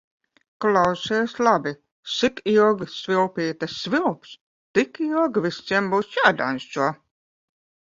Klausies labi: cik ilgi svilpīte svilps, tik ilgi visiem būs jādanco.